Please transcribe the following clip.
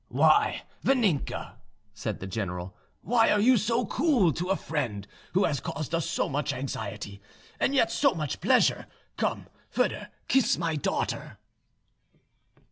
"Why, Vaninka," said the general—"why are you so cool to a friend who has caused us so much anxiety and yet so much pleasure? Come, Fordor, kiss my daughter."